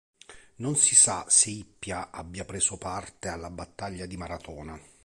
Non si sa se Ippia abbia preso parte alla battaglia di Maratona.